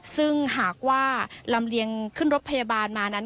ซึ่งหากว่าลำเลียงขึ้นรถพยาบาลมานั้น